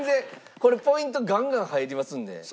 これポイントガンガン入りますので。